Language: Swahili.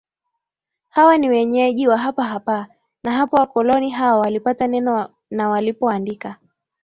hawa ni wenyeji wa hapa hapa na hapo wakoloni hao walipata neno na walipoandika